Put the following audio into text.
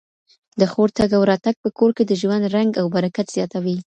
د خور تګ او راتګ په کور کي د ژوند رنګ او برکت زیاتوي.